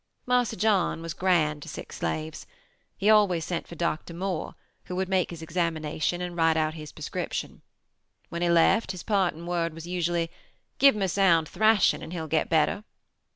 "Marse John was grand to sick slaves. He always sent for Dr. Moore, who would make his examination and write out his prescription. When he left his parting word was usually 'Give him a sound thrashing and he will get better.'